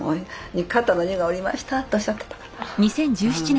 肩の荷が下りましたっておっしゃってたから。